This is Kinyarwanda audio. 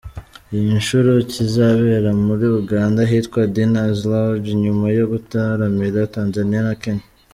Iyi nshuro kizabera muri Uganda ahitwa Diners Lounge nyuma yo gutaramira Tanzania na Kenya.